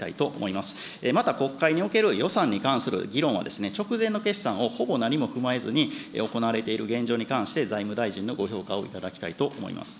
また国会における予算に関する議論は、直前の決算をほぼ何も踏まえずに行われている現状に関して、財務大臣のご評価をいただきたいと思います。